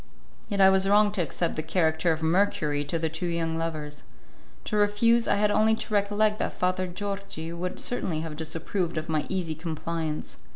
Yet I was wrong to accept the character of Mercury to the two young lovers. To refuse, I had only to recollect that Father Georgi would certainly have disapproved of my easy compliance.